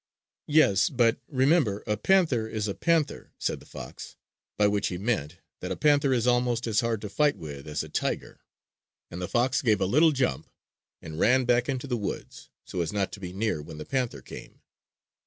"Yes, but remember a panther is a panther!" said the fox; by which he meant that a panther is almost as hard to fight with as a tiger. And the fox gave a little jump and ran back into the woods, so as not to be near when the panther came.